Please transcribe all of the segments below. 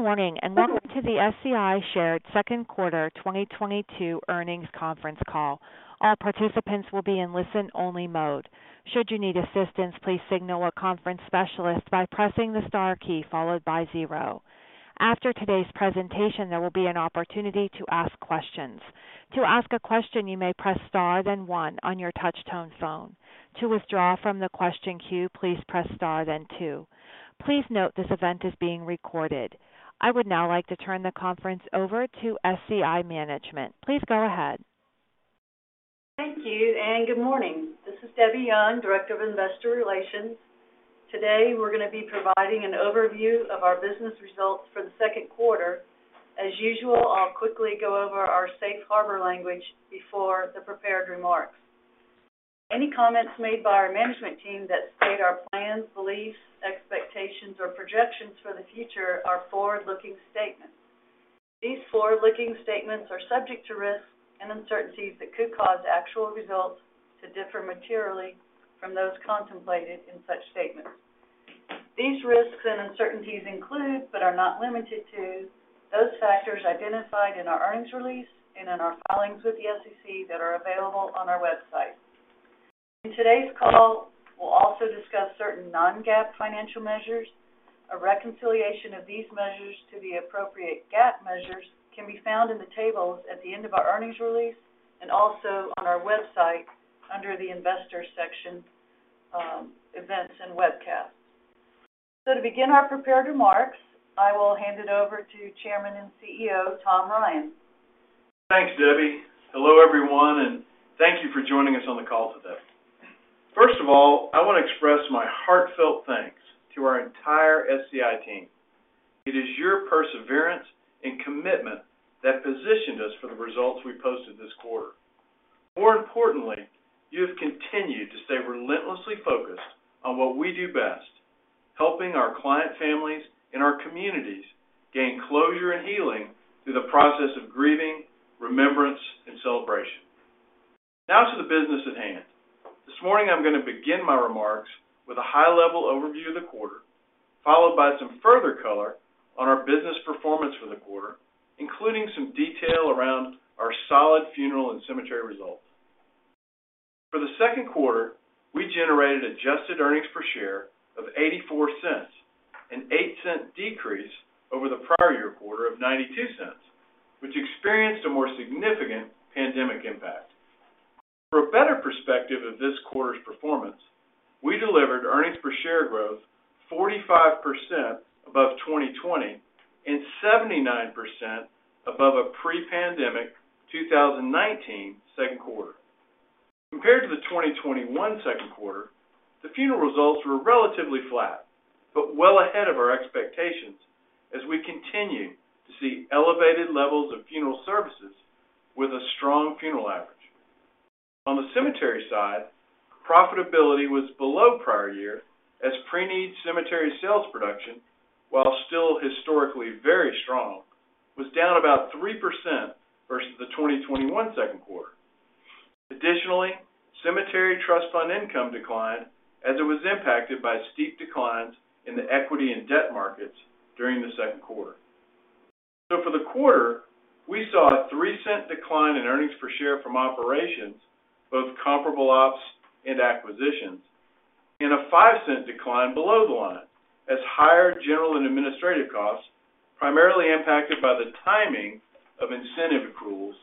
Good morning, and welcome to the SCI's second quarter 2022 earnings conference call. All participants will be in listen-only mode. Should you need assistance, please signal our conference specialist by pressing the star key followed by zero. After today's presentation, there will be an opportunity to ask questions. To ask a question, you may press star, then one on your touch-tone phone. To withdraw from the question queue, please press star then two. Please note this event is being recorded. I would now like to turn the conference over to SCI Management. Please go ahead. Thank you and good morning. This is Debbie Young, Director of Investor Relations. Today, we're gonna be providing an overview of our business results for the second quarter. As usual, I'll quickly go over our safe harbor language before the prepared remarks. Any comments made by our management team that state our plans, beliefs, expectations, or projections for the future are forward-looking statements. These forward-looking statements are subject to risks and uncertainties that could cause actual results to differ materially from those contemplated in such statements. These risks and uncertainties include, but are not limited to, those factors identified in our earnings release and in our filings with the SEC that are available on our website. In today's call, we'll also discuss certain non-GAAP financial measures. A reconciliation of these measures to the appropriate GAAP measures can be found in the tables at the end of our earnings release, and also on our website under the Investor section, Events and Webcasts. To begin our prepared remarks, I will hand it over to Chairman and CEO, Tom Ryan. Thanks, Debbie. Hello, everyone, and thank you for joining us on the call today. First of all, I wanna express my heartfelt thanks to our entire SCI team. It is your perseverance and commitment that positioned us for the results we posted this quarter. More importantly, you have continued to stay relentlessly focused on what we do best, helping our client families and our communities gain closure and healing through the process of grieving, remembrance, and celebration. Now to the business at hand. This morning, I'm gonna begin my remarks with a high-level overview of the quarter, followed by some further color on our business performance for the quarter, including some detail around our solid funeral and cemetery results. For the second quarter, we generated adjusted earnings per share of $0.84, an $0.08 Decrease over the prior year quarter of $0.92, which experienced a more significant pandemic impact. For a better perspective of this quarter's performance, we delivered earnings per share growth 45% above 2020 and 79% above a pre-pandemic 2019 second quarter. Compared to the 2021 second quarter, the funeral results were relatively flat, but well ahead of our expectations as we continue to see elevated levels of funeral services with a strong funeral average. On the cemetery side, profitability was below prior year as preneed cemetery sales production, while still historically very strong, was down about 3% versus the 2021 second quarter. Additionally, cemetery trust fund income declined as it was impacted by steep declines in the equity and debt markets during the second quarter. For the quarter, we saw a $0.03 decline in earnings per share from operations, both comparable ops and acquisitions, and a $0.05 decline below the line, as higher general and administrative costs, primarily impacted by the timing of incentive accruals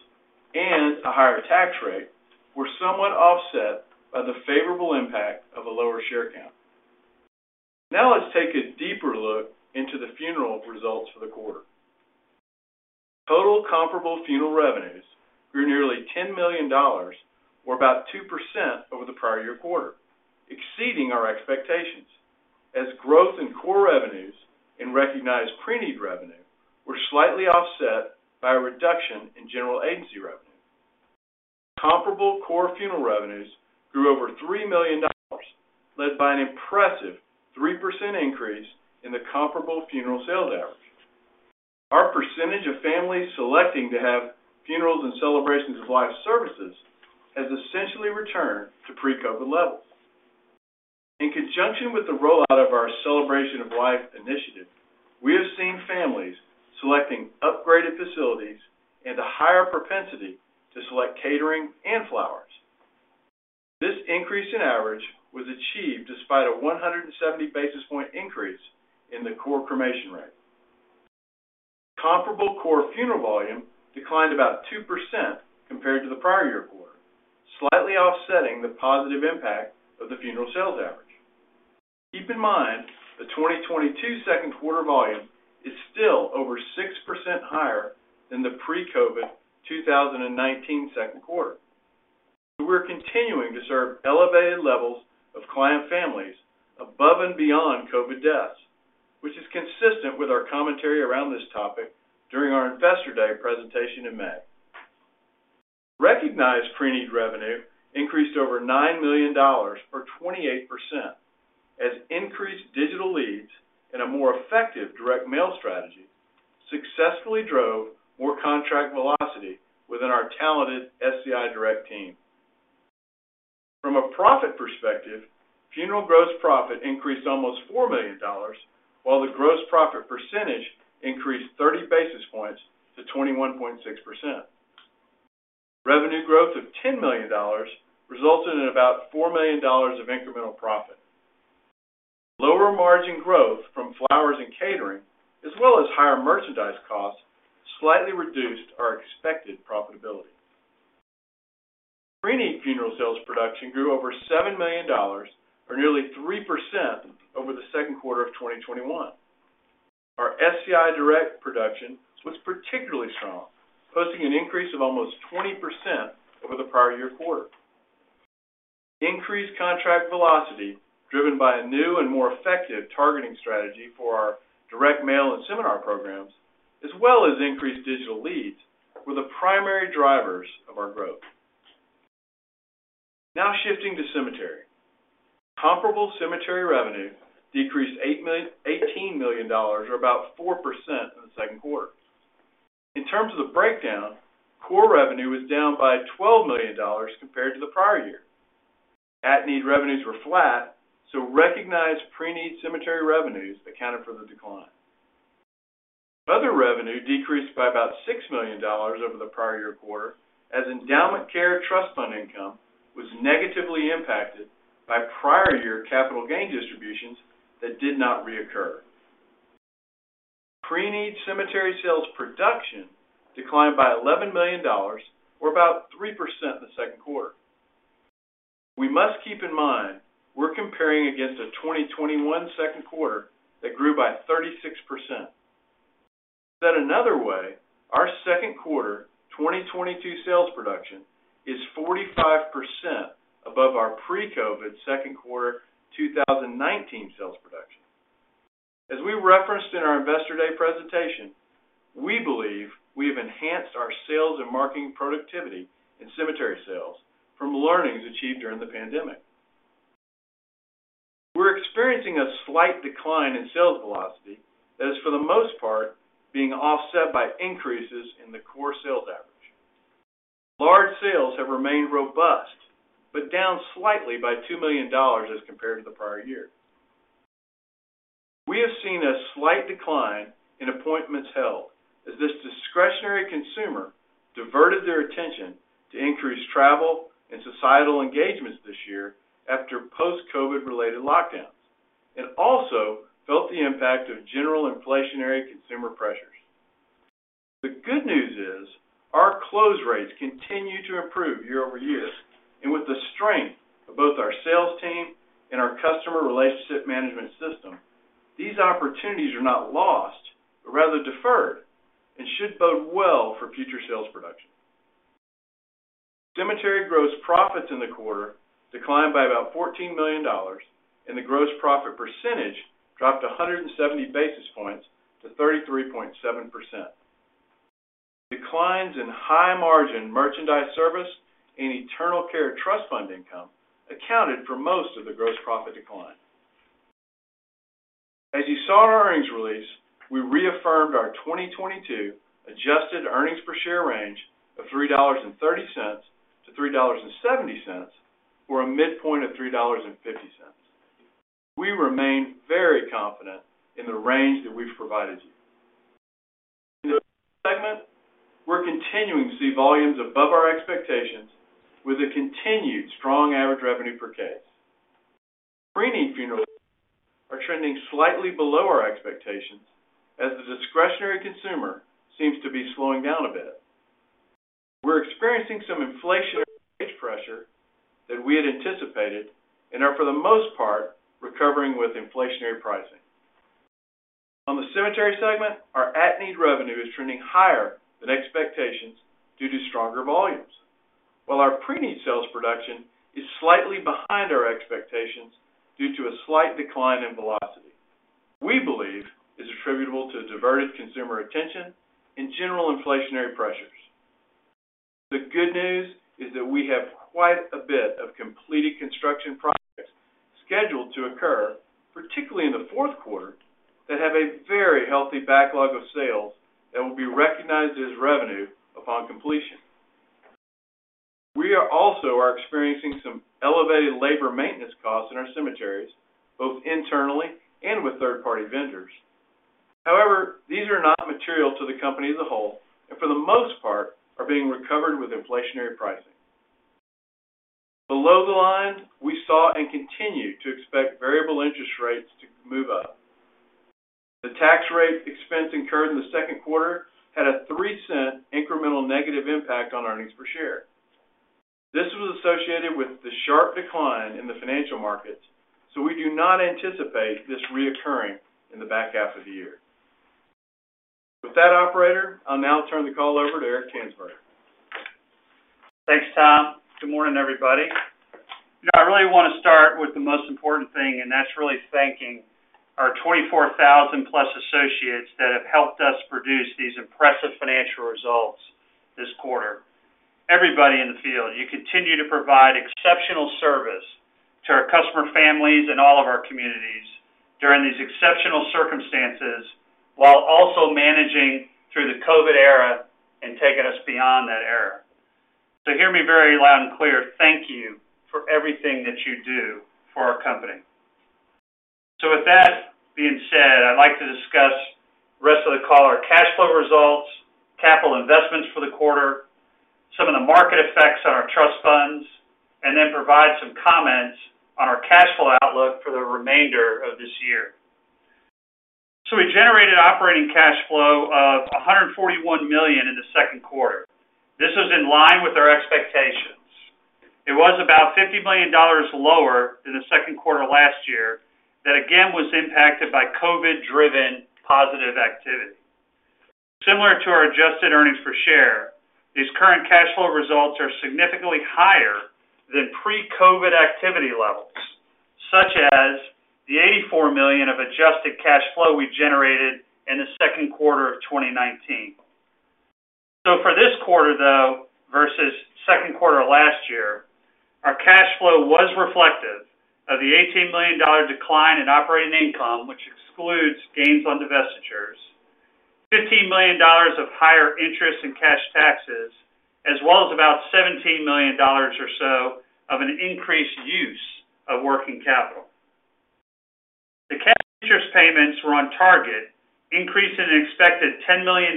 and a higher tax rate, were somewhat offset by the favorable impact of a lower share count. Now let's take a deeper look into the funeral results for the quarter. Total comparable funeral revenues grew nearly $10 million or about 2% over the prior year quarter, exceeding our expectations, as growth in core revenues and recognized preneed revenue were slightly offset by a reduction in general agency revenue. Comparable core funeral revenues grew over $3 million, led by an impressive 3% increase in the comparable funeral sales average. Our percentage of families selecting to have funerals and Celebration of Life services has essentially returned to pre-COVID levels. In conjunction with the rollout of our Celebration of Life initiative, we have seen families selecting upgraded facilities and a higher propensity to select catering and flowers. This increase in average was achieved despite a 170 basis point increase in the core cremation rate. Comparable core funeral volume declined about 2% compared to the prior year quarter, slightly offsetting the positive impact of the funeral sales average. Keep in mind that 2022 second quarter volume is still over 6% higher than the pre-COVID 2019 second quarter. We're continuing to serve elevated levels of client families above and beyond COVID deaths, which is consistent with our commentary around this topic during our Investor Day presentation in May. Recognized preneed revenue increased over $9 million or 28% as increased digital leads and a more effective direct mail strategy successfully drove more contract velocity within our talented SCI Direct team. From a profit perspective, funeral gross profit increased almost $4 million, while the gross profit percentage increased 30 basis points to 21.6%. Revenue growth of $10 million resulted in about $4 million of incremental profit. Lower margin growth from flowers and catering, as well as higher merchandise costs, slightly reduced our expected profitability. Preneed funeral sales production grew over $7 million or nearly 3% over the second quarter of 2021. Our SCI Direct production was particularly strong, posting an increase of almost 20% over the prior-year quarter. Increased contract velocity, driven by a new and more effective targeting strategy for our direct mail and seminar programs, as well as increased digital leads, were the primary drivers of our growth. Now, shifting to cemetery. Comparable cemetery revenue decreased $18 million or about 4% in the second quarter. In terms of the breakdown, core revenue was down by $12 million compared to the prior year. At-need revenues were flat, so recognized pre-need cemetery revenues accounted for the decline. Other revenue decreased by about $6 million over the prior year quarter as endowment care trust fund income was negatively impacted by prior year capital gain distributions that did not reoccur. Pre-need cemetery sales production declined by $11 million or about 3% in the second quarter. We must keep in mind we're comparing against a 2021 second quarter that grew by 36%. Said another way, our second quarter 2022 sales production is 45% above our pre-COVID second quarter 2019 sales production. As we referenced in our Investor Day presentation, we believe we have enhanced our sales and marketing productivity in cemetery sales from learnings achieved during the pandemic. We're experiencing a slight decline in sales velocity that is, for the most part, being offset by increases in the core sales average. Large sales have remained robust, but down slightly by $2 million as compared to the prior year. We have seen a slight decline in appointments held as this discretionary consumer diverted their attention to increased travel and societal engagements this year after post-COVID-related lockdowns, and also felt the impact of general inflationary consumer pressures. The good news is our close rates continue to improve year-over-year, and with the strength of both our sales team and our customer relationship management system, these opportunities are not lost, but rather deferred and should bode well for future sales production. Cemetery gross profits in the quarter declined by about $14 million, and the gross profit percentage dropped 170 basis points to 33.7%. Declines in high-margin merchandise service and endowment care trust fund income accounted for most of the gross profit decline. As you saw in our earnings release, we reaffirmed our 2022 adjusted earnings per share range of $3.30-$3.70, or a midpoint of $3.50. We remain very confident in the range that we've provided you. In the segment, we're continuing to see volumes above our expectations with a continued strong average revenue per case. Preneed funeral are trending slightly below our expectations as the discretionary consumer seems to be slowing down a bit. We're experiencing some inflationary pressure that we had anticipated and are, for the most part, recovering with inflationary pricing. On the cemetery segment, our at-need revenue is trending higher than expectations due to stronger volumes. While our preneed sales production is slightly behind our expectations due to a slight decline in velocity, we believe is attributable to diverted consumer attention and general inflationary pressures. The good news is that we have quite a bit of completed construction projects scheduled to occur, particularly in the fourth quarter, that have a very healthy backlog of sales that will be recognized as revenue upon completion. We are also experiencing some elevated labor maintenance costs in our cemeteries, both internally and with third-party vendors. However, these are not material to the company as a whole and for the most part, are being recovered with inflationary pricing. Below the line, we saw and continue to expect variable interest rates to move up. The tax rate expense incurred in the second quarter had a $0.3 Incremental negative impact on earnings per share. This was associated with the sharp decline in the financial markets, so we do not anticipate this recurring in the back half of the year. With that, operator, I'll now turn the call over to Eric Tanzberger. Thanks, Tom. Good morning, everybody. You know, I really want to start with the most important thing, and that's really thanking our 24,000+ associates that have helped us produce these impressive financial results this quarter. Everybody in the field, you continue to provide exceptional service to our customer, families, and all of our communities during these exceptional circumstances, while also managing through the COVID-19, taking us beyond that era. Hear me very loud and clear. Thank you for everything that you do for our company. With that being said, I'd like to discuss the rest of the call, our cash flow results, capital investments for the quarter, some of the market effects on our trust funds, and then provide some comments on our cash flow outlook for the remainder of this year. We generated operating cash flow of $141 million in the second quarter. This is in line with our expectations. It was about $50 million lower than the second quarter last year. That again, was impacted by COVID-driven positive activity. Similar to our adjusted earnings per share, these current cash flow results are significantly higher than pre-COVID activity levels, such as the $84 million of adjusted cash flow we generated in the second quarter of 2019. For this quarter, though, versus second quarter last year, our cash flow was reflective of the $18 million decline in operating income, which excludes gains on divestitures, $15 million of higher interest and cash taxes, as well as about $17 million or so of an increased use of working capital. The cash interest payments were on target, increasing an expected $10 million,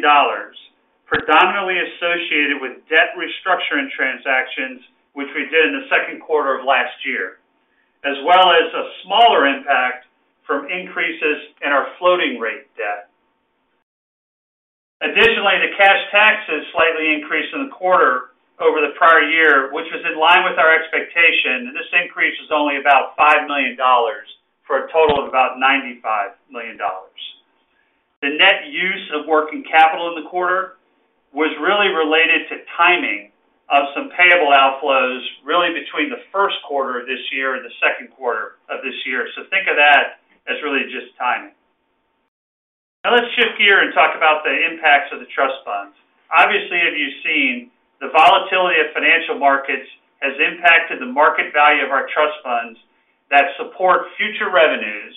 predominantly associated with debt restructuring transactions, which we did in the second quarter of last year. As well as a smaller impact from increases in our floating rate debt. Additionally, the cash taxes slightly increased in the quarter over the prior year, which was in line with our expectation. This increase is only about $5 million for a total of about $95 million. The net use of working capital in the quarter was really related to timing of some payable outflows, really between the first quarter of this year and the second quarter of this year. Think of that as really just timing. Now let's shift gears and talk about the impacts of the trust funds. Obviously, you've seen the volatility of financial markets has impacted the market value of our trust funds that support future revenues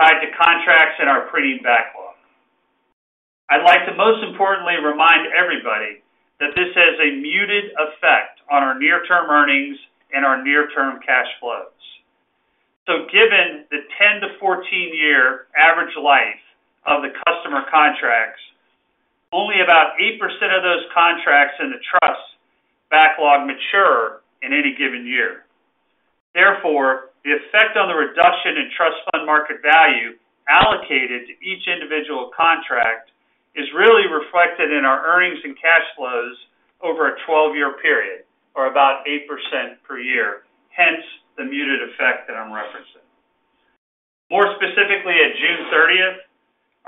tied to contracts in our preneed backlog. I'd like to most importantly remind everybody that this has a muted effect on our near-term earnings and our near-term cash flows. Given the 10 to 14 year average life of the customer contracts, only about 8% of those contracts in the trust backlog mature in any given year. Therefore, the effect on the reduction in trust fund market value allocated to each individual contract is really reflected in our earnings and cash flows over a 12-year period, or about 8% per year. Hence, the muted effect that I'm referencing. More specifically, at June 30th,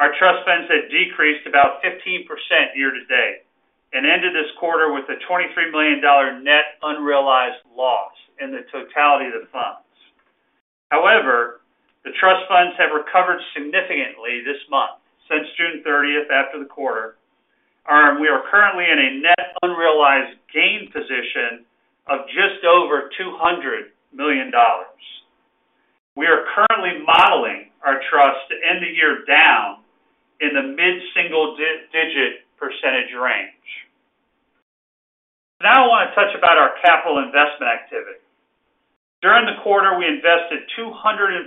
our trust funds had decreased about 15% year to date and ended this quarter with a $23 million net unrealized loss in the totality of the funds. However, the trust funds have recovered significantly this month since June 30th after the quarter, and we are currently in a net unrealized gain position of just over $200 million. We are currently modeling our trust to end the year down in the mid-single-digit % range. Now I want to touch on our capital investment activity. During the quarter, we invested $245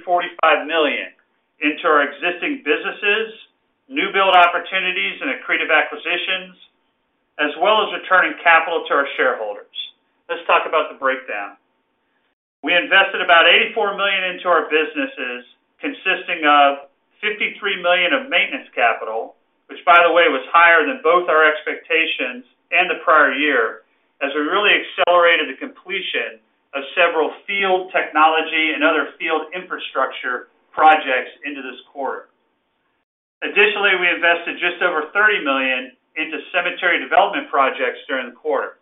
million into our existing businesses, new build opportunities, and accretive acquisitions, as well as returning capital to our shareholders. Let's talk about the breakdown. We invested about $84 million into our businesses, consisting of $53 million of maintenance capital, which, by the way, was higher than both our expectations and the prior year as we really accelerated the completion of several field technology and other field infrastructure projects into this quarter. Additionally, we invested just over $30 million into cemetery development projects during the quarter.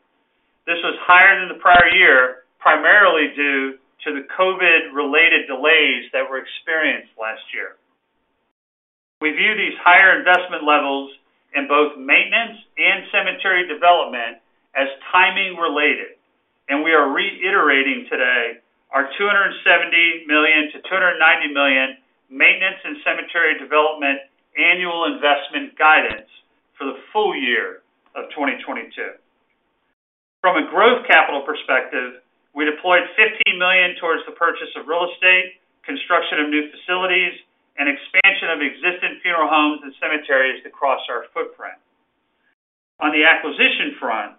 This was higher than the prior year, primarily due to the COVID-related delays that were experienced last year. We view these higher investment levels in both maintenance and cemetery development as timing-related, and we are reiterating today our $270 million-$290 million maintenance and cemetery development annual investment guidance for the full year of 2022. From a growth capital perspective, we deployed $50 million towards the purchase of real estate, construction of new facilities, and expansion of existing funeral homes and cemeteries across our footprint. On the acquisition front,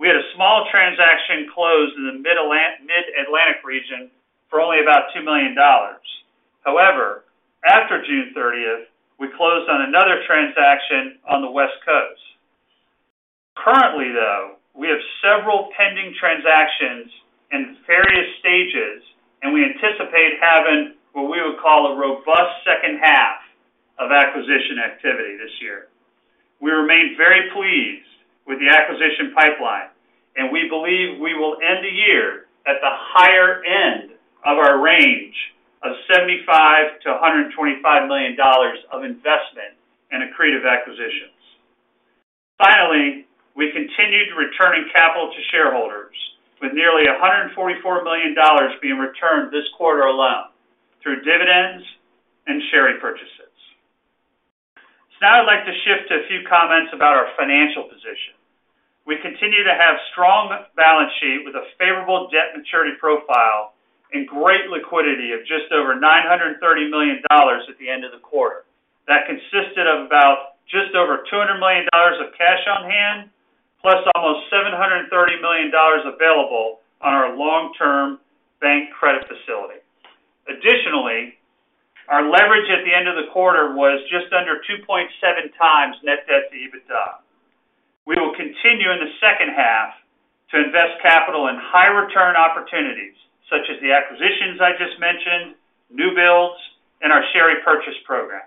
we had a small transaction closed in the mid-Atlantic region for only about $2 million. However, after June 30th, we closed on another transaction on the West Coast. Currently, though, we have several pending transactions in various stages, and we anticipate having what we would call a robust second half of acquisition activity this year. We remain very pleased with the acquisition pipeline, and we believe we will end the year at the higher end of our range of $75 million-$125 million of investment in accretive acquisitions. Finally, we continued returning capital to shareholders with nearly $144 million being returned this quarter alone through dividends. Now I'd like to shift to a few comments about our financial position. We continue to have strong balance sheet with a favorable debt maturity profile and great liquidity of just over $930 million at the end of the quarter. That consisted of about just over $200 million of cash on hand, plus almost $730 million available on our long-term bank credit facility. Additionally, our leverage at the end of the quarter was just under 2.7 times net debt to EBITDA. We will continue in the second half to invest capital in high return opportunities, such as the acquisitions I just mentioned, new builds, and our share repurchase program.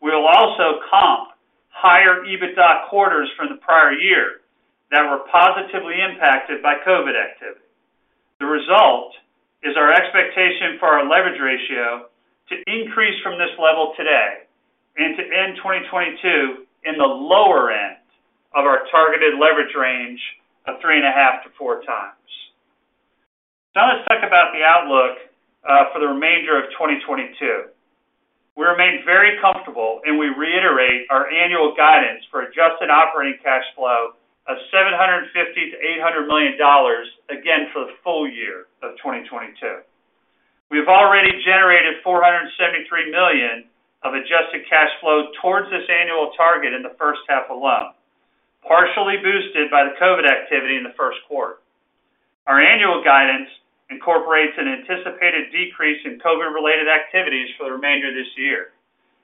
We will also comp higher EBITDA quarters from the prior year that were positively impacted by COVID activity. The result is our expectation for our leverage ratio to increase from this level today and to end 2022 in the lower end of our targeted leverage range of 3.5-four times. Now let's talk about the outlook for the remainder of 2022. We remain very comfortable, and we reiterate our annual guidance for adjusted operating cash flow of $750 million-$800 million again for the full year of 2022. We've already generated $473 million of adjusted cash flow towards this annual target in the first half alone, partially boosted by the COVID activity in the first quarter. Our annual guidance incorporates an anticipated decrease in COVID-related activities for the remainder of this year,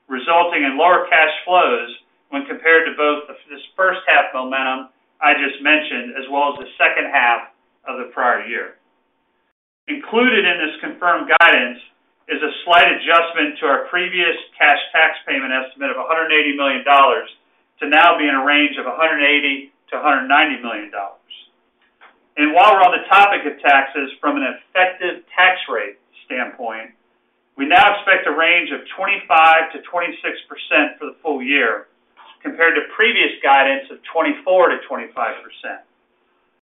resulting in lower cash flows when compared to both this first half momentum I just mentioned, as well as the second half of the prior year. Included in this confirmed guidance is a slight adjustment to our previous cash tax payment estimate of $180 million to now be in a range of $180 million-$190 million. While we're on the topic of taxes from an effective tax rate standpoint, we now expect a range of 25%-26% for the full year compared to previous guidance of 24%-25%.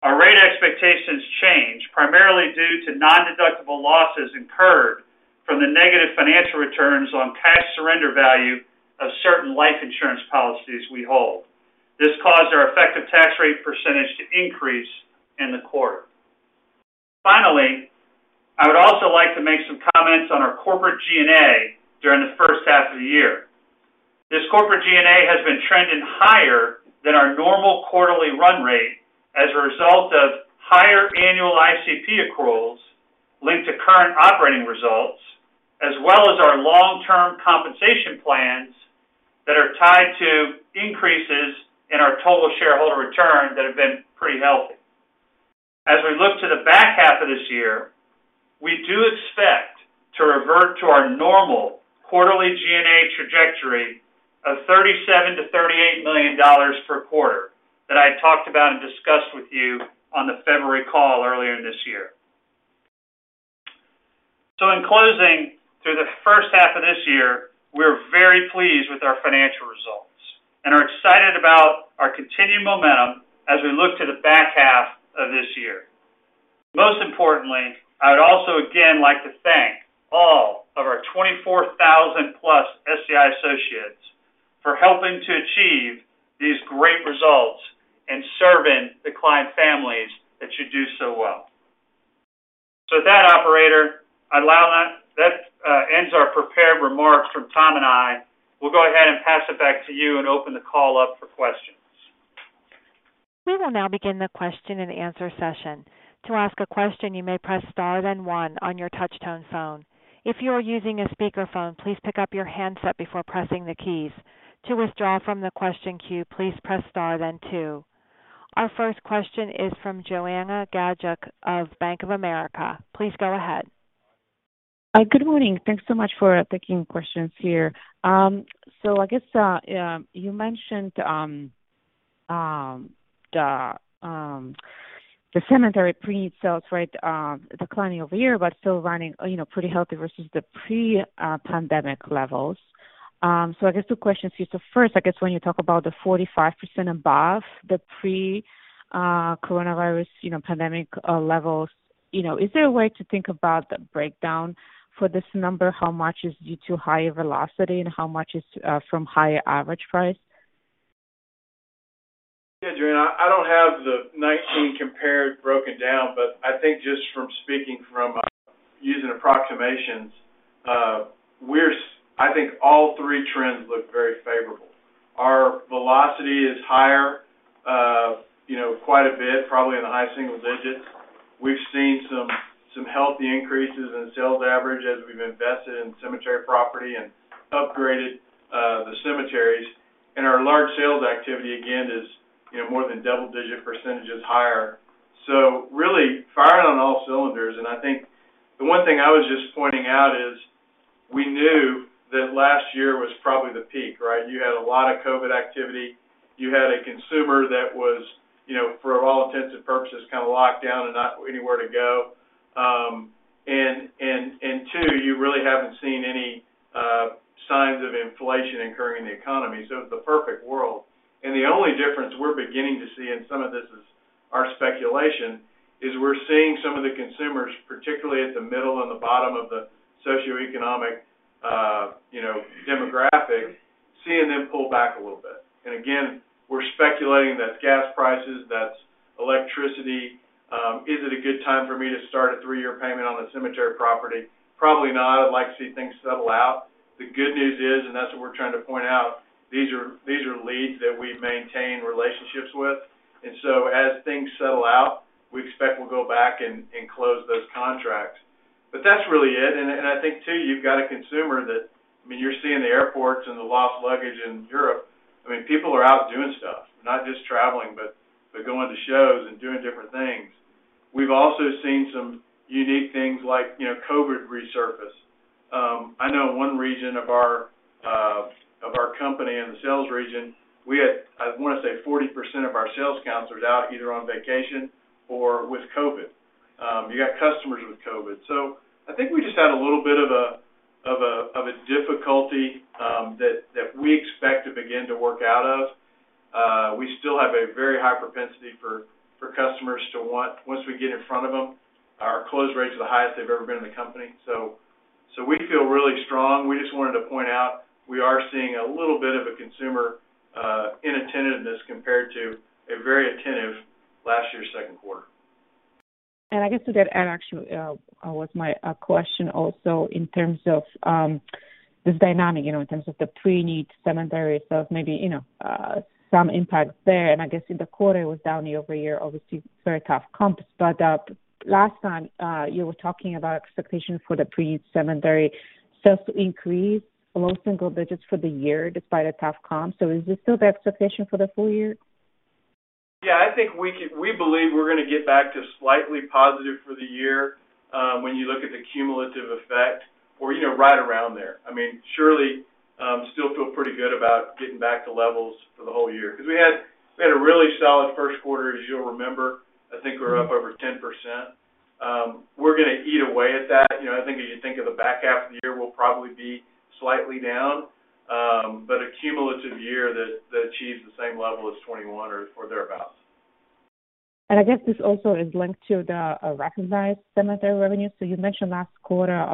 Our rate expectations change primarily due to nondeductible losses incurred from the negative financial returns on cash surrender value of certain life insurance policies we hold. This caused our effective tax rate percentage to increase in the quarter. Finally, I would also like to make some comments on our corporate G&A during the first half of the year. This corporate G&A has been trending higher than our normal quarterly run rate as a result of higher annual ICP accruals linked to current operating results, as well as our long-term compensation plans that are tied to increases in our total shareholder return that have been pretty healthy. As we look to the back half of this year, we do expect to revert to our normal quarterly G&A trajectory of $37 million-$38 million per quarter that I talked about and discussed with you on the February call earlier this year. In closing, through the first half of this year, we're very pleased with our financial results and are excited about our continued momentum as we look to the back half of this year. Most importantly, I would also again like to thank all of our 24,000+ SCI associates for helping to achieve these great results and serving the client families that you do so well. With that operator, that ends our prepared remarks from Tom and I. We'll go ahead and pass it back to you and open the call up for questions. We will now begin the question and answer session. To ask a question, you may press star, then one on your touchtone phone. If you are using a speakerphone, please pick up your handset before pressing the keys. To withdraw from the question queue, please press star then two. Our first question is from Joanna Gajuk of Bank of America. Please go ahead. Good morning. Thanks so much for taking questions here. I guess you mentioned the cemetery pre-need sales, right, declining over here, but still running, you know, pretty healthy versus the pre-pandemic levels. I guess two questions here. First, I guess when you talk about the 45% above the pre-coronavirus, you know, pandemic levels, you know, is there a way to think about the breakdown for this number? How much is due to higher velocity and how much is from higher average price? Joanna, I don't have the 2019 compared broken down, but I think just from speaking from using approximations, we're seeing I think all three trends look very favorable. Our velocity is higher, you know, quite a bit, probably in the high single digits%. We've seen some healthy increases in sales average as we've invested in cemetery property and upgraded the cemeteries. Our large sales activity, again, is, you know, more than double-digit% higher. Really firing on all cylinders. I think the one thing I was just pointing out is we knew that last year was probably the peak, right? You had a lot of COVID activity. You had a consumer that was, you know, for all intents and purposes, kind of locked down and not anywhere to go. Too, you really haven't seen any signs of inflation occurring in the economy. It's the perfect world. The only difference we're beginning to see, and some of this is Our speculation is we're seeing some of the consumers, particularly at the middle and the bottom of the socioeconomic, you know, demographic, seeing them pull back a little bit. Again, we're speculating that's gas prices, that's electricity. Is it a good time for me to start a three-year payment on a cemetery property? Probably not. I'd like to see things settle out. The good news is, that's what we're trying to point out, these are leads that we maintain relationships with. As things settle out, we expect we'll go back and close those contracts. But that's really it. I think too, you've got a consumer that I mean, you're seeing the airports and the lost luggage in Europe. I mean, people are out doing stuff, not just traveling, but they're going to shows and doing different things. We've also seen some unique things like, you know, COVID resurface. I know one region of our company in the sales region, we had, I wanna say, 40% of our sales counselors out either on vacation or with COVID. You got customers with COVID. I think we just had a little bit of a difficulty that we expect to begin to work out of. We still have a very high propensity for customers to want. Once we get in front of them, our close rates are the highest they've ever been in the company. We feel really strong. We just wanted to point out we are seeing a little bit of a consumer inattentiveness compared to a very attentive last year's second quarter. I guess to that end, actually, was my question also in terms of this dynamic, you know, in terms of the pre-need cemetery. Maybe, you know, some impact there. I guess in the quarter, it was down year-over-year, obviously very tough comps. Last time, you were talking about expectations for the pre-need cemetery sales to increase low single digits for the year despite a tough comp. Is this still the expectation for the full year? I think we believe we're gonna get back to slightly positive for the year, when you look at the cumulative effect or, you know, right around there. I mean, surely, still feel pretty good about getting back to levels for the whole year because we had a really solid first quarter, as you'll remember. I think we're up over 10%. We're gonna eat away at that. You know, I think as you think of the back half of the year, we'll probably be slightly down. A cumulative year that achieves the same level as 2021 or thereabout. I guess this also is linked to the recognized cemetery revenue. You mentioned last quarter,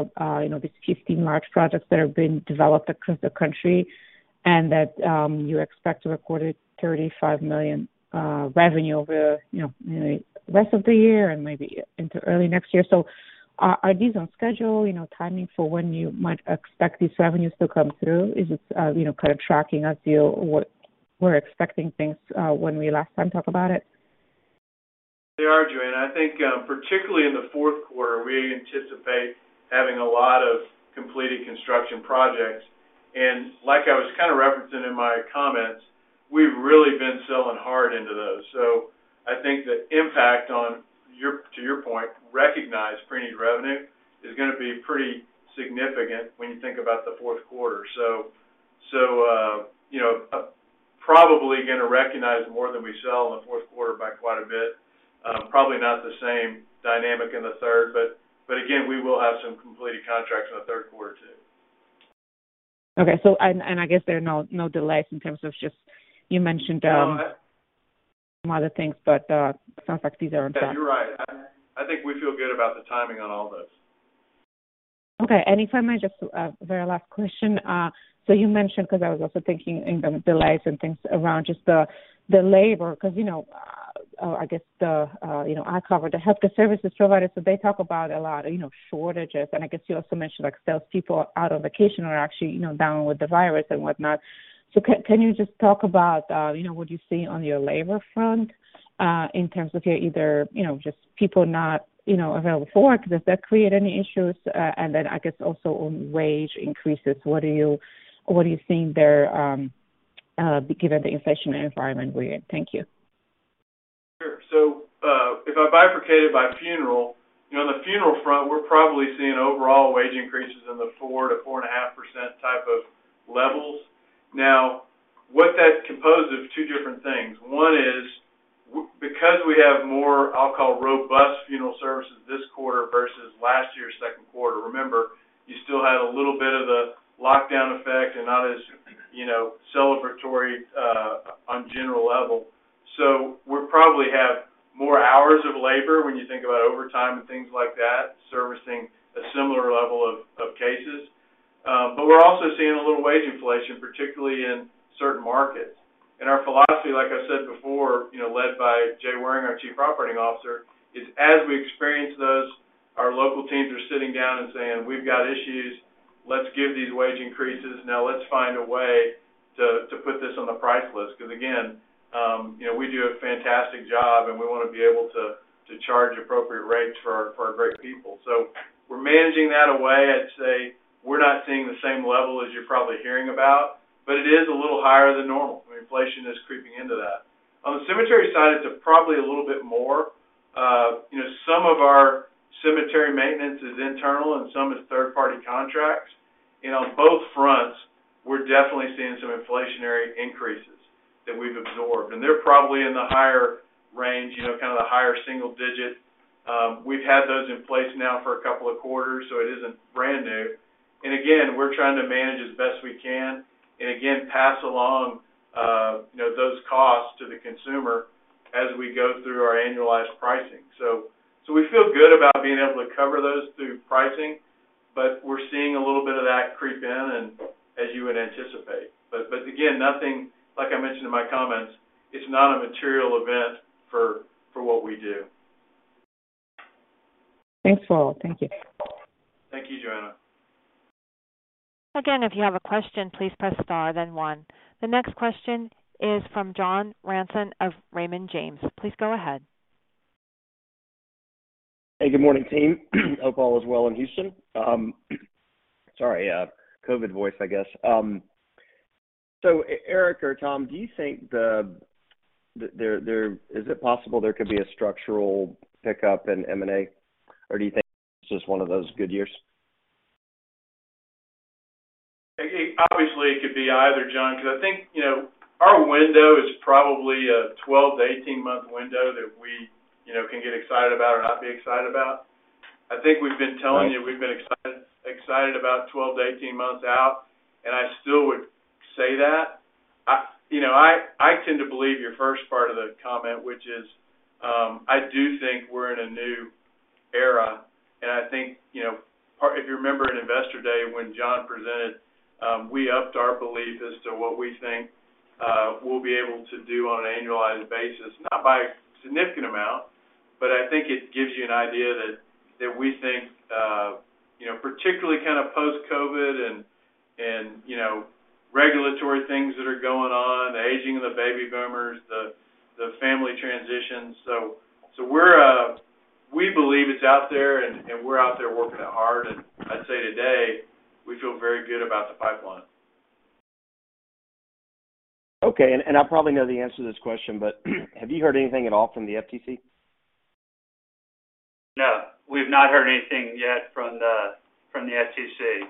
you know, these 15 large projects that have been developed across the country and that you expect to record $35 million revenue over, you know, the rest of the year and maybe into early next year. Are these on schedule? You know, timing for when you might expect these revenues to come through. Is it, you know, kind of tracking as you were expecting things, when we last time talk about it? They are, Joanna. I think, particularly in the fourth quarter, we anticipate having a lot of completed construction projects. Like I was kind of referencing in my comments, we've really been selling hard into those. I think the impact to your point, recognized preneed revenue is gonna be pretty significant when you think about the fourth quarter. You know, probably gonna recognize more than we sell in the fourth quarter by quite a bit. Probably not the same dynamic in the third, but again, we will have some completed contracts in the third quarter too. Okay. I guess there are no delays in terms of just you mentioned- No some other things, but it sounds like these are on time. Yeah, you're right. I think we feel good about the timing on all this. Okay. If I may just, very last question. You mentioned because I was also thinking in the delays and things around just the labor because, you know, I guess you know, I cover the healthcare services providers, so they talk about a lot of, you know, shortages. I guess you also mentioned, like, sales people out on vacation are actually, you know, down with the virus and whatnot. Can you just talk about, you know, what you see on your labor front, in terms of either, you know, just people not, you know, available for work? Does that create any issues? Then I guess also on wage increases, what are you seeing there, given the inflationary environment we're in? Thank you. Sure. If I bifurcated by funeral, you know, on the funeral front, we're probably seeing overall wage increases in the 4%-4.5% type of levels. Now, what that's composed of two different things. One is because we have more, I'll call, robust funeral services this quarter versus last year's second quarter. Remember, you still had a little bit of the lockdown effect and not as, you know, celebratory on general level. We probably have more hours of labor when you think about overtime and things like that, servicing a similar level of cases. But we're also seeing a little wage inflation, particularly in certain markets. Our philosophy, like I said before, you know, led by Jay Waring, our Chief Operating Officer, is as we experience those, our local teams are sitting down and saying, "We've got issues. Let's give these wage increases. Now let's find a way to put this on the price list." Because again, you know, we do a fantastic job, and we wanna be able to charge appropriate rates for our great people. We're managing that away. I'd say we're not seeing the same level as you're probably hearing about, but it is a little higher than normal. Inflation is creeping into that. On the cemetery side, it's probably a little bit more. You know, some of our cemetery maintenance is internal and some is third-party contracts. You know, both fronts, we're definitely seeing some inflationary increases that we've absorbed, and they're probably in the higher range, you know, kind of the higher single digit We've had those in place now for a couple of quarters, so it isn't brand new. Again, we're trying to manage as best we can and again, pass along, you know, those costs to the consumer as we go through our annualized pricing. We feel good about being able to cover those through pricing, but we're seeing a little bit of that creep in and as you would anticipate. Again, nothing, like I mentioned in my comments, it's not a material event for what we do. Thanks, all. Thank you. Thank you, Joanna. Again, if you have a question, please press star, then one. The next question is from John Ransom of Raymond James. Please go ahead. Hey, good morning, team. Hope all is well in Houston. Sorry, COVID voice, I guess. Eric or Tom, do you think is it possible there could be a structural pickup in M&A, or do you think it's just one of those good years? It obviously could be either, John, because I think, you know, our window is probably a 12 to 18 month window that we, you know, can get excited about or not be excited about. I think we've been telling you we've been excited about 12 to 18 months out, and I still would say that. You know, I tend to believe your first part of the comment, which is, I do think we're in a new era. I think, you know, if you remember in Investor Day when John presented, we upped our belief as to what we think we'll be able to do on an annualized basis, not by a significant amount. I think it gives you an idea that we think, you know, particularly kind of post-COVID and, you know, regulatory things that are going on, the aging of the baby boomers, the family transitions. We believe it's out there, and we're out there working it hard. I'd say today, we feel very good about the pipeline. Okay. I probably know the answer to this question, but have you heard anything at all from the FTC? No, we've not heard anything yet from the FTC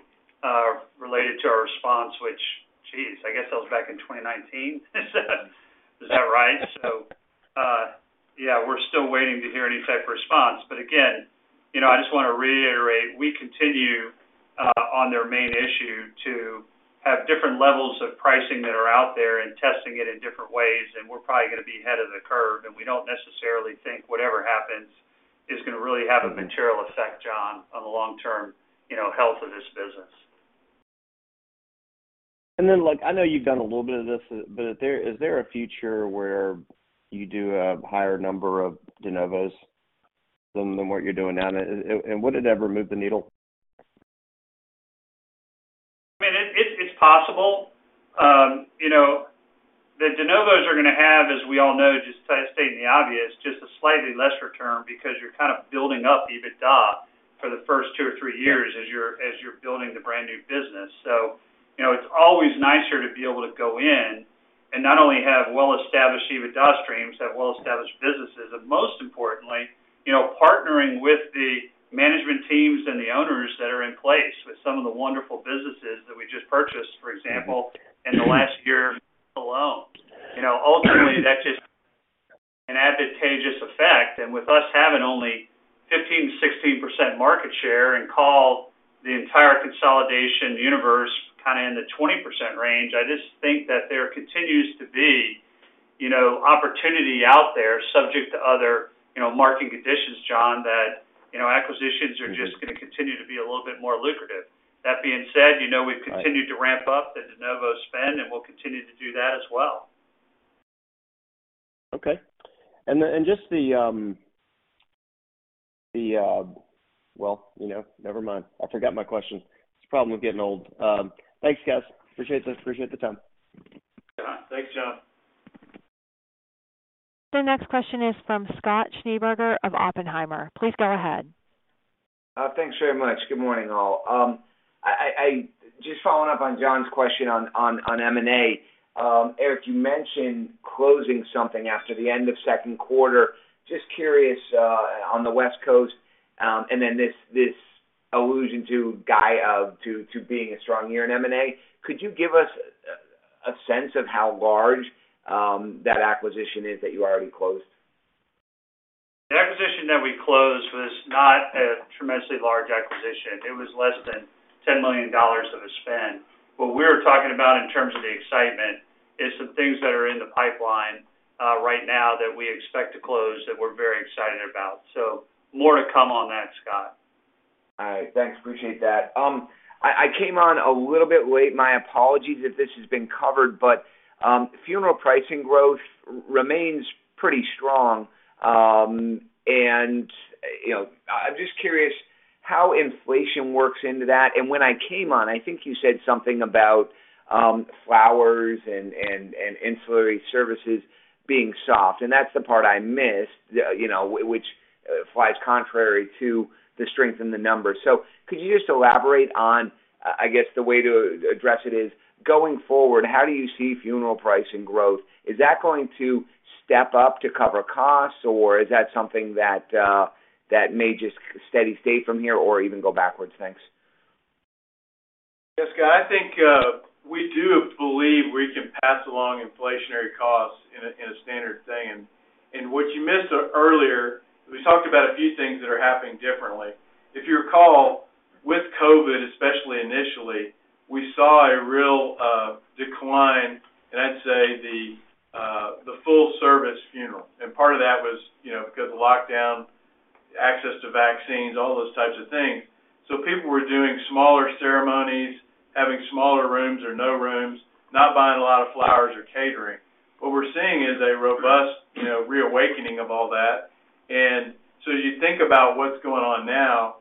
related to our response, which, geez, I guess that was back in 2019. Is that right? Yeah, we're still waiting to hear any type of response. But again, you know, I just wanna reiterate, we continue on their main issue to have different levels of pricing that are out there and testing it in different ways, and we're probably gonna be ahead of the curve. We don't necessarily think whatever happens is gonna really have a material effect, John, on the long-term, you know, health of this business. Like, I know you've done a little bit of this, but is there a future where you do a higher number of de novos than what you're doing now? Would it ever move the needle? I mean, it's possible. You know, the de novos are gonna have, as we all know, just stating the obvious, just a slightly lesser term because you're kind of building up EBITDA for the first two or three years as you're building the brand-new business. You know, it's always nicer to be able to go in and not only have well-established EBITDA streams, have well-established businesses, but most importantly, you know, partnering with the management teams and the owners that are in place with some of the wonderful businesses that we just purchased, for example, in the last year alone. You know, ultimately, that's just an advantageous effect. With us having only 15%-16% market share and call the entire consolidation universe kind of in the 20% range, I just think that there continues to be, you know, opportunity out there subject to other, you know, market conditions, John, that, you know, acquisitions are just gonna continue to be a little bit more lucrative. That being said, you know, we've continued to ramp up the de novo spend, and we'll continue to do that as well. Okay. Well, you know, never mind. I forgot my question. It's the problem with getting old. Thanks, guys. Appreciate this. Appreciate the time. Thanks, John. The next question is from Scott Schneeberger of Oppenheimer. Please go ahead. Thanks very much. Good morning, all. Just following up on John's question on M&A. Eric, you mentioned closing something after the end of second quarter. Just curious on the West Coast, and then this allusion to guidance to being a strong year in M&A. Could you give us a sense of how large that acquisition is that you already closed? The acquisition that we closed was not a tremendously large acquisition. It was less than $10 million of the spend. What we're talking about in terms of the excitement is some things that are in the pipeline, right now that we expect to close that we're very excited about. More to come on that, Scott. All right. Thanks. Appreciate that. I came on a little bit late, my apologies if this has been covered, but funeral pricing growth remains pretty strong. You know, I'm just curious how inflation works into that. When I came on, I think you said something about flowers and ancillary services being soft. That's the part I missed, you know, which flies contrary to the strength in the numbers. Could you just elaborate on, I guess the way to address it is, going forward, how do you see funeral pricing growth? Is that going to step up to cover costs, or is that something that may just steady state from here or even go backwards? Thanks. Yes, Scott, I think we do believe we can pass along inflationary costs in a standard thing. What you missed earlier, we talked about a few things that are happening differently. If you recall, with COVID, especially initially, we saw a real decline in, I'd say, the full-service funeral. Part of that was, you know, because of lockdown, access to vaccines, all those types of things. People were doing smaller ceremonies, having smaller rooms or no rooms, not buying a lot of flowers or catering. What we're seeing is a robust, you know, reawakening of all that. As you think about what's going on now,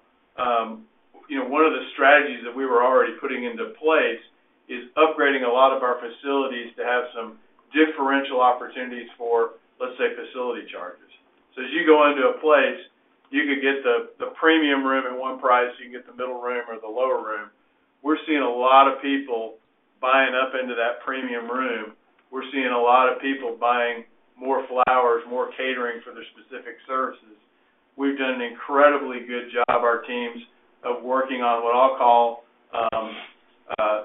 you know, one of the strategies that we were already putting into place is upgrading a lot of our facilities to have some differential opportunities for, let's say, facility charges. As you go into a place, you could get the premium room at one price, you can get the middle room or the lower room. We're seeing a lot of people buying up into that premium room. We're seeing a lot of people buying more flowers, more catering for their specific services. We've done an incredibly good job, our teams, of working on what I'll call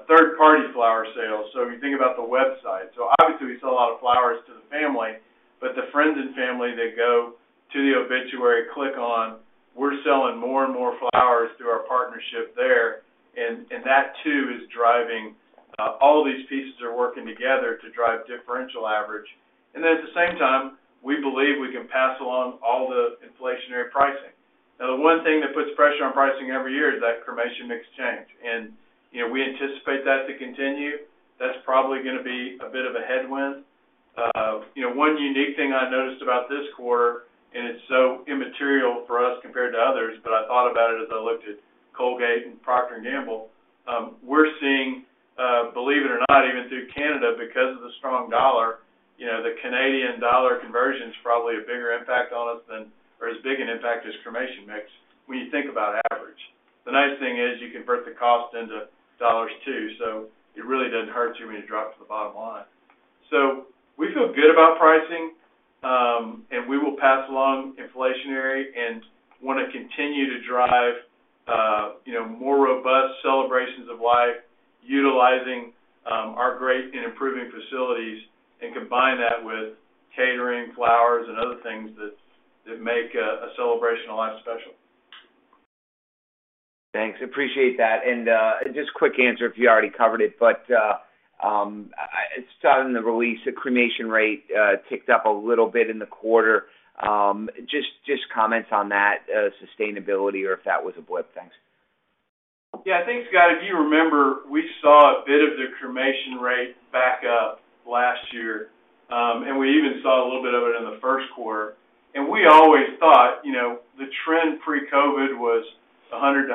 third-party flower sales. If you think about the website, so obviously we sell a lot of flowers to the family, but the friends and family that go to the obituary click on, we're selling more and more flowers through our partnership there. All of these pieces are working together to drive differential average. Then at the same time, we believe we can pass along all the inflationary pricing. Now, the one thing that puts pressure on pricing every year is that cremation mix change. You know, we anticipate that to continue. That's probably gonna be a bit of a headwind. You know, one unique thing I noticed about this quarter, and it's so immaterial for us compared to others, but I thought about it as I looked at Colgate-Palmolive and Procter & Gamble. We're seeing, believe it or not, even through Canada, because of the strong dollar, you know, the Canadian dollar conversion is probably a bigger impact on us than or as big an impact as cremation mix when you think about average. The nice thing is you convert the cost into dollars, too, so it really doesn't hurt you when you drop to the bottom line. We feel good about pricing, and we will pass along inflationary and wanna continue to drive, you know, more robust celebrations of life, utilizing our great and improving facilities and combine that with catering, flowers, and other things that make a celebration of life special. Thanks. Appreciate that. Just quick answer if you already covered it, but saw in the release the cremation rate ticked up a little bit in the quarter. Just comments on that, sustainability or if that was a blip? Thanks. Yeah. Thanks, Scott. If you remember, we saw a bit of the cremation rate back up last year, and we even saw a little bit of it in the first quarter. We always thought, you know, the trend pre-COVID was 100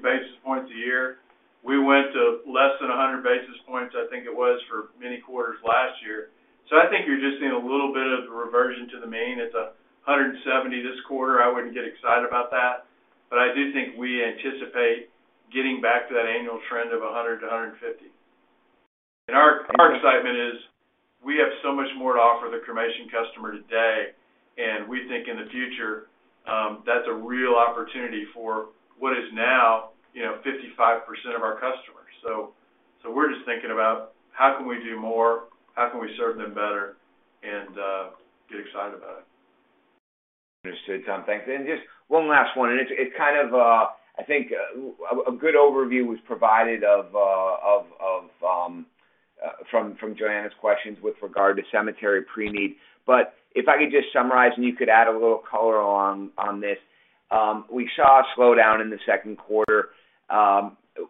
basis point-150 basis points a year. We went to less than 100 basis points, I think it was, for many quarters last year. I think you're just seeing a little bit of the reversion to the mean. It's 170 basis point this quarter. I wouldn't get excited about that. I do think we anticipate getting back to that annual trend of 100 basis point-150 basis point. Our excitement is we have so much more to offer the cremation customer today, and we think in the future, that's a real opportunity for what is now, you know, 55% of our customers. So we're just thinking about how can we do more, how can we serve them better, and get excited about it. Understood, Tom. Thanks. Just one last one, and it's kind of, I think a good overview was provided from Joanna's questions with regard to cemetery pre-need. If I could just summarize, and you could add a little color on this. We saw a slowdown in the second quarter,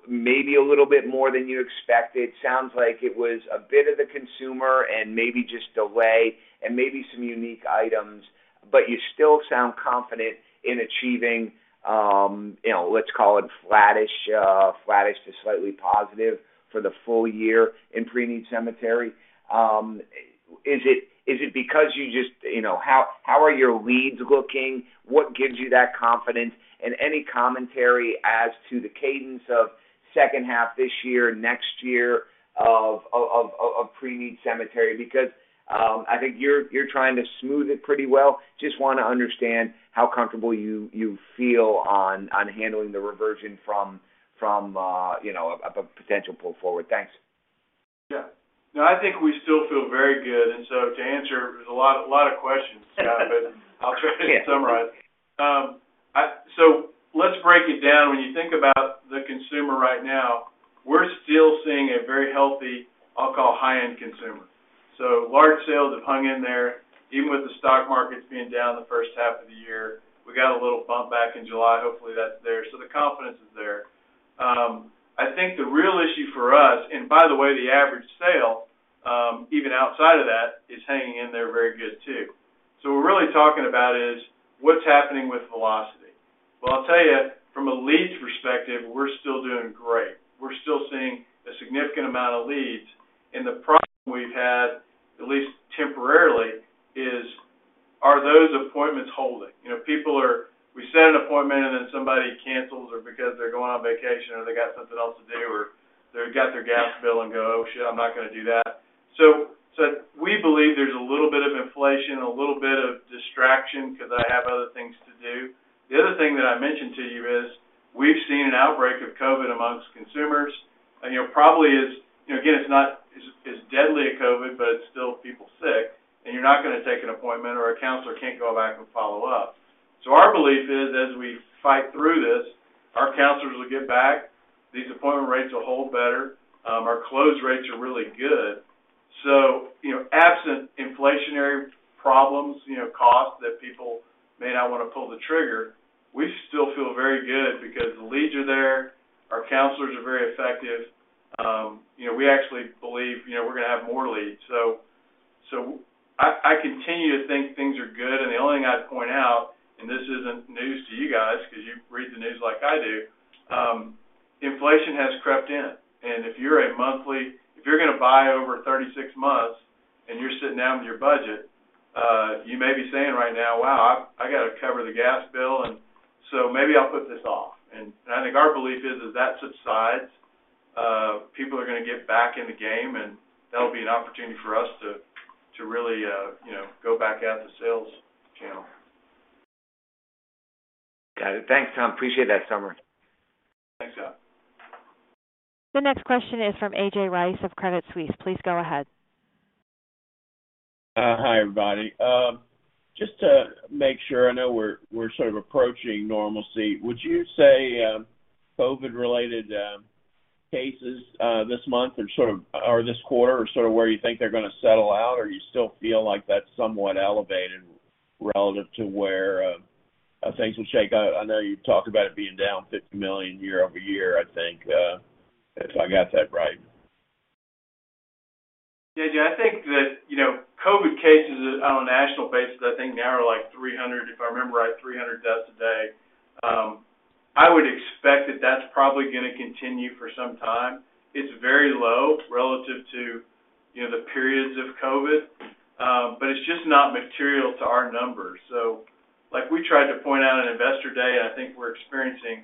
maybe a little bit more than you expected. Sounds like it was a bit of the consumer and maybe just delay and maybe some unique items, but you still sound confident in achieving, you know, let's call it flattish to slightly positive for the full year in pre-need cemetery. Is it because you just, you know. How are your leads looking? What gives you that confidence? Any commentary as to the cadence of second half this year, next year of preneed cemetery? Because, I think you're trying to smooth it pretty well. Just wanna understand how comfortable you feel on handling the reversion from you know a potential pull forward. Thanks. Yeah. No, I think we still feel very good. To answer, there's a lot of questions, Scott, but I'll try to summarize. Let's break it down. When you think about the consumer right now, we're still seeing a very healthy, I'll call, high-end consumer. Large sales have hung in there, even with the stock markets being down the first half of the year. We got a little bump back in July. Hopefully, that's there. The confidence is there. I think the real issue for us, and by the way, the average sale, even outside of that, is hanging in there very good, too. What we're really talking about is what's happening with velocity. Well, I'll tell you, from a leads perspective, we're still doing great. We're still seeing a significant amount of leads. The problem we've had, at least temporarily, is, are those appointments holding? You know, people are. We set an appointment, and then somebody cancels or because they're going on vacation or they got something else to do, or they've got their gas bill and go, "Oh, shit, I'm not gonna do that." We believe there's a little bit of inflation, a little bit of distraction because I have other things to do. The other thing that I mentioned to you is we've seen an outbreak of COVID amongst consumers. You know, probably is, you know, again, it's not as deadly a COVID, but it's still people sick, and you're not going to take an appointment or a counselor can't go back and follow up. Our belief is as we fight through this, our counselors will get back. These appointment rates will hold better. Our close rates are really good. You know, absent inflationary problems, you know, costs that people may not want to pull the trigger, we still feel very good because the leads are there. Our counselors are very effective. You know, we actually believe, you know, we're going to have more leads. I continue to think things are good. The only thing I'd point out, and this isn't news to you guys because you read the news like I do, inflation has crept in. If you're going to buy over 36 months and you're sitting down with your budget, you may be saying right now, "Wow, I got to cover the gas bill, and so maybe I'll put this off." I think our belief is as that subsides, people are going to get back in the game, and that'll be an opportunity for us to really, you know, go back at the sales channel. Got it. Thanks, Tom. Appreciate that summary. Thanks, John. The next question is from A.J. Rice of Credit Suisse. Please go ahead. Hi, everybody. Just to make sure I know we're sort of approaching normalcy, would you say, COVID-related cases this quarter are sort of where you think they're going to settle out, or you still feel like that's somewhat elevated relative to where things will shake out? I know you've talked about it being down $50 million year-over-year, I think, if I got that right. A.J., I think that, you know, COVID cases on a national basis, I think now are like 300, if I remember right, 300 deaths a day. I would expect that that's probably going to continue for some time. It's very low relative to, you know, the periods of COVID, but it's just not material to our numbers. Like we tried to point out on Investor Day, and I think we're experiencing,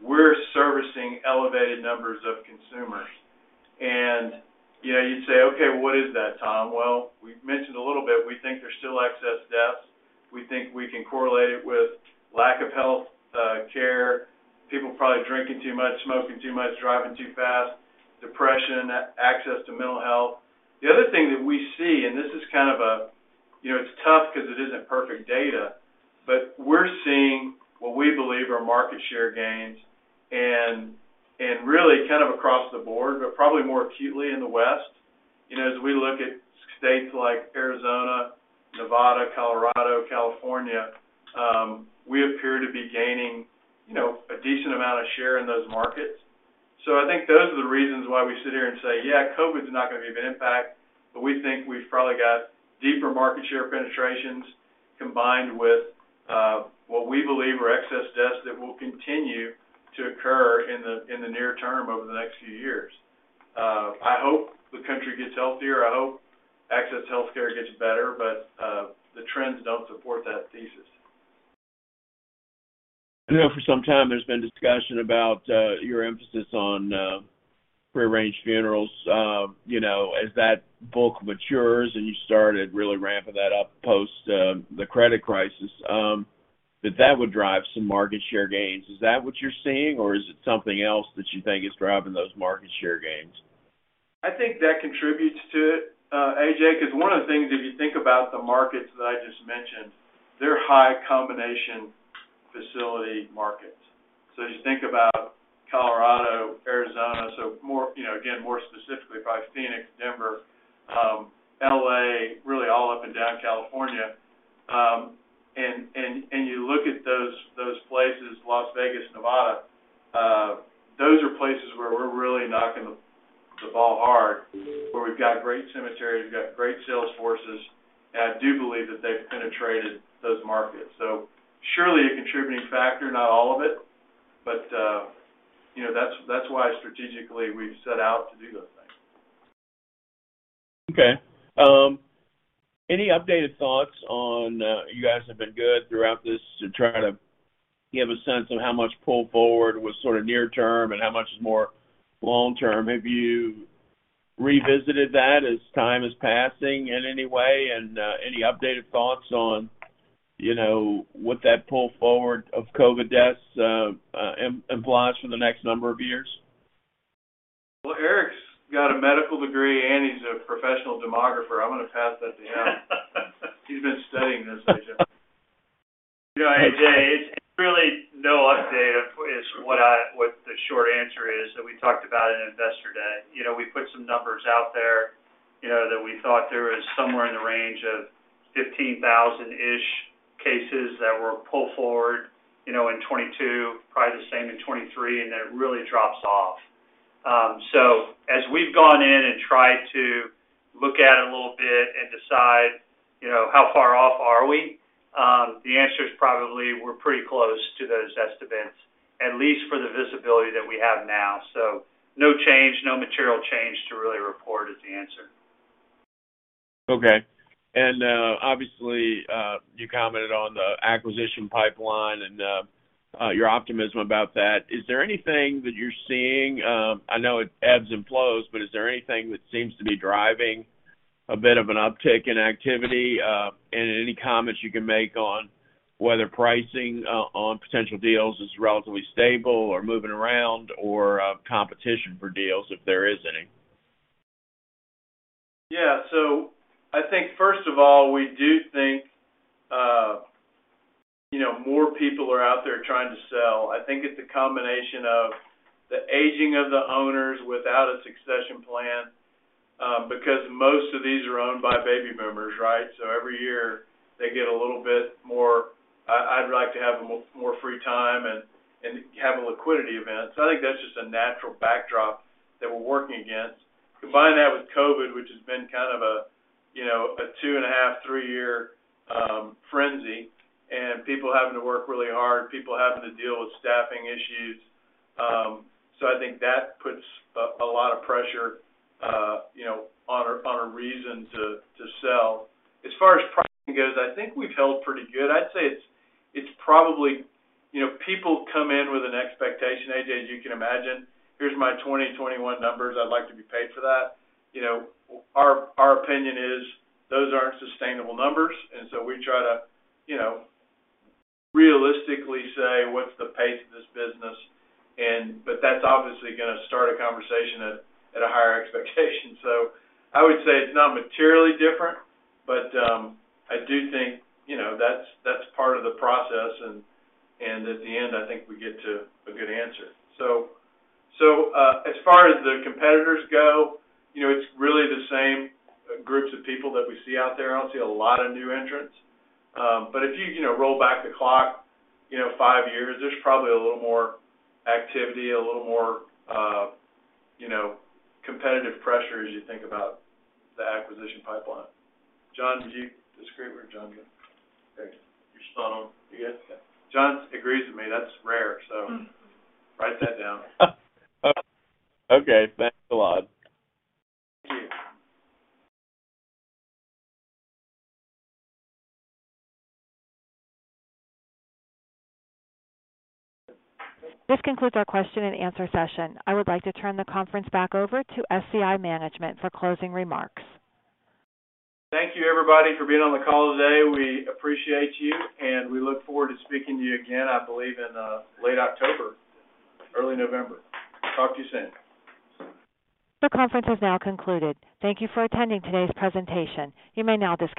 we're servicing elevated numbers of consumers. You know, you'd say, "Okay, what is that, Tom?" Well, we've mentioned a little bit, we think there's still excess deaths. We think we can correlate it with lack of health care, people probably drinking too much, smoking too much, driving too fast, depression, access to mental health. The other thing that we see, and this is kind of a, you know, it's tough because it isn't perfect data, but we're seeing what we believe are market share gains and really kind of across the board, but probably more acutely in the West. You know, as we look at states like Arizona, Nevada, Colorado, California, we appear to be gaining, you know, a decent amount of share in those markets. I think those are the reasons why we sit here and say, yeah, COVID's not going to be of an impact, but we think we've probably got deeper market share penetrations combined with what we believe are excess deaths that will continue to occur in the near term over the next few years. I hope the country gets healthier. I hope access to healthcare gets better, but the trends don't support that thesis. I know for some time there's been discussion about your emphasis on prearranged funerals, you know, as that book matures, and you started really ramping that up post the credit crisis, that would drive some market share gains. Is that what you're seeing, or is it something else that you think is driving those market share gains? I think that contributes to it, A.J., because one of the things, if you think about the markets that I just mentioned, they're high combination facility markets. So as you think about Colorado, Arizona, so more, you know, again, more specifically, probably Phoenix, Denver, L.A., really all up and down California, and you look at those places, Las Vegas, Nevada, those are places where we're really knocking the ball hard, where we've got great cemeteries, we've got great sales forces, and I do believe that they've penetrated those markets. So surely a contributing factor, not all of it, but, you know, that's why strategically we've set out to do those things. Okay. Any updated thoughts on you guys have been good throughout this to try to give a sense of how much pull forward was sort of near term and how much is more long term. Have you revisited that as time is passing in any way and any updated thoughts on, you know, what that pull forward of COVID deaths implies for the next number of years? Well, Eric's got a medical degree, and he's a professional demographer. I'm going to pass that to him. He's been studying this, A.J. You know, A.J., it's really no update, or is what the short answer is that we talked about in Investor Day. You know, we put some numbers out there, you know, that we thought there was somewhere in the range of 15,000-ish cases that were pull forward, you know, in 2022, probably the same in 2023, and then it really drops off. So as we've gone in and tried to look at it a little bit and decide, you know, how far off are we, the answer is probably we're pretty close to those estimates, at least for the visibility that we have now. No change, no material change to really report is the answer. Okay. Obviously, you commented on the acquisition pipeline and your optimism about that. Is there anything that you're seeing? I know it ebbs and flows, but is there anything that seems to be driving a bit of an uptick in activity? Any comments you can make on whether pricing on potential deals is relatively stable or moving around or competition for deals, if there is any? Yeah. I think first of all, we do think, you know, more people are out there trying to sell. I think it's a combination of the aging of the owners without a succession plan, because most of these are owned by baby boomers, right? Every year they get a little bit more, "I'd like to have more free time and have a liquidity event." I think that's just a natural backdrop that we're working against. Combine that with COVID, which has been kind of a, you know, a 2.5-three-year frenzy, and people having to work really hard, people having to deal with staffing issues. I think that puts a lot of pressure, you know, on a reason to sell. As far as pricing goes, I think we've held pretty good. I'd say it's probably. You know, people come in with an expectation, A.J., as you can imagine, "Here's my 2020, 2021 numbers. I'd like to be paid for that." You know, our opinion is those aren't sustainable numbers. We try to, you know, realistically say, what's the pace of this business? That's obviously gonna start a conversation at a higher expectation. I would say it's not materially different, but I do think, you know, that's part of the process and at the end, I think we get to a good answer. As far as the competitors go, you know, it's really the same groups of people that we see out there. I don't see a lot of new entrants. If you know, roll back the clock, you know, five years, there's probably a little more activity, a little more, you know, competitive pressure as you think about the acquisition pipeline. John, did you disagree with John? Great. You're still on, I guess. John agrees with me. That's rare. Write that down. Okay. Thanks a lot. Thank you. This concludes our question and answer session. I would like to turn the conference back over to SCI management for closing remarks. Thank you, everybody, for being on the call today. We appreciate you, and we look forward to speaking to you again, I believe in late October, early November. Talk to you soon. The conference has now concluded. Thank you for attending today's presentation. You may now disconnect.